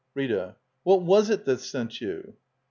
Rita. What was it that sent you?